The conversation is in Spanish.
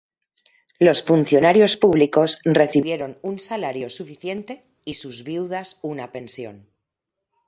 Los funcionarios públicos recibieron un salario suficiente y sus viudas una pensión.